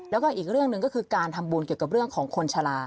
แล้วก็อีกเรื่องหนึ่งก็คือการทำบุญเกี่ยวกับเรื่องของคนชะลา